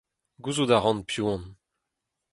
Gouzout a ran piv on.